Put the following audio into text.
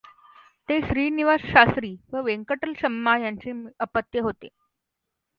ते श्रीनिवास शास्त्री व वेंकटलक्षम्मा यांचे अपत्य होते.